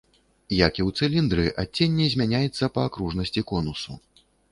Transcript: Як і ў цыліндры, адценне змяняецца па акружнасці конусу.